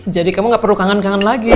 jadi kamu gak perlu kangen kangen lagi